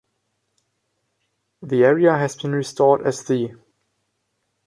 The area has been restored as the.